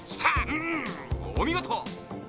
うんおみごと！